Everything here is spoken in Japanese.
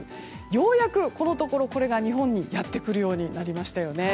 ようやく、このところこれが日本にやってくるようになりましたよね。